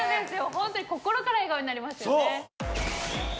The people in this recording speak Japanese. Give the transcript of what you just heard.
ホントに心から笑顔になれますよね。